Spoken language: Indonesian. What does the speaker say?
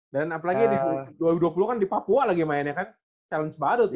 dan apalagi dua ribu dua puluh kan di papua lagi main ya kan challenge baru tuh